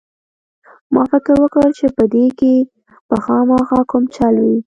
ما فکر وکړ چې په دې کښې به خامخا کوم چل وي.